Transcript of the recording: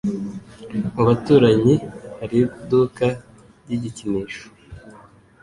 Mubaturanyi hari iduka ry igikinisho.